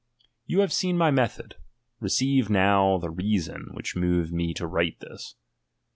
You have seen my method : receive now the rea son which moved me to write this.